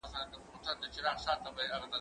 زه هره ورځ چپنه پاکوم؟!